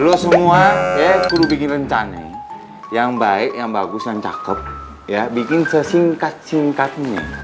lu semua ya guru bikin rencana yang baik yang bagus dan cakep ya bikin sesingkat singkatnya